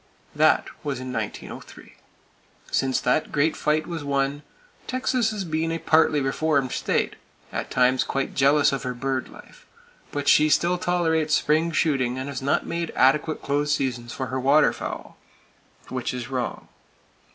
That was in 1903. Since that great fight was won, Texas has been a partly reformed state, at times quite jealous of her bird life; but still she tolerates spring shooting and has not made adequate close seasons for her waterfowl; which is wrong.